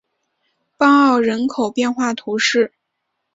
邦奥人口变化图示